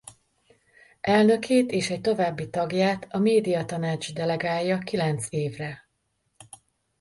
Elnökét és egy további tagját a Médiatanács delegálja kilenc évre.